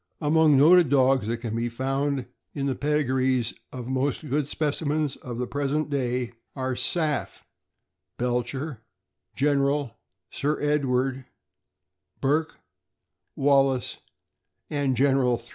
Among noted dogs that can be found in the pedigrees of most good specimens of the present day, are Saff, Belcher, General, Sir Edward, Burke', Wallis, and General III.